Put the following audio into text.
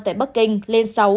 tại bắc kinh lên sáu